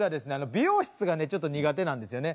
美容室がちょっと苦手なんですよね。